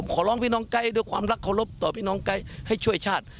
ขอร้องพี่น้องไกด์ด้วยความรักเคารพต่อพี่น้องไกด์ให้ช่วยชาติ